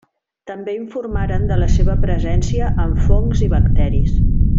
També informaren de la seva presència en fongs i bacteris.